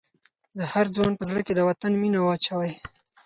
د هر ځوان په زړه کې د وطن مینه واچوئ.